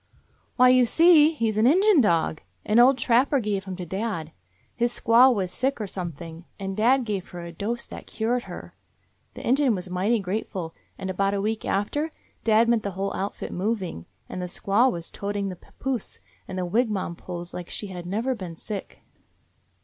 "Why, you see, he 's an Injun dog. An old trapper gave him to dad. His squaw was sick, or something, and dad gave her a dose that cured her. The Injun was mighty grateful, and about a week after, dad met the whole outfit moving, and the squaw was toting the papoose and the wigwam poles like she had never been sick.